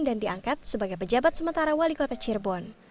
dan diangkat sebagai pejabat sementara wali kota cirebon